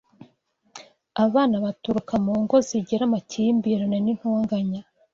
abana baturuka mu ngo zigira amakimbirane n’intonganya,